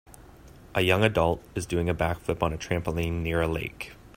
A young adult is doing a back flip on a trampoline near a lake.